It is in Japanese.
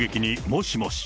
もしもし？